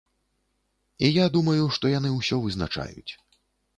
І я думаю, што яны ўсё вызначаюць.